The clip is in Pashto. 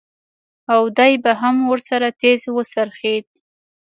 او دى به هم ورسره تېز وڅرخېد.